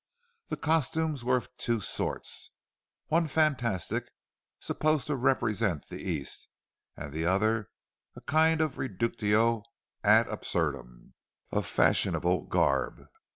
The costumes were of two sorts: one fantastic, supposed to represent the East, and the other a kind of reductio ad absurdum of fashionable garb.